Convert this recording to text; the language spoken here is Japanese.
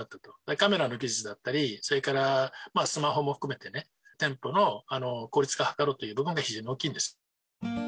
カメラの技術だったり、それからスマホも含めてね、店舗の効率化を図ろうという部分が非常に大きいです。